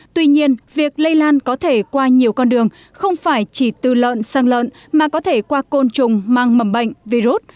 tuy nhiên việc lây lan có thể qua nhiều con đường không phải chỉ từ lợn sang lợn mà có thể qua côn trùng mang mầm bệnh virus